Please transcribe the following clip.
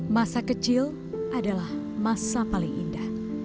masa kecil adalah masa paling indah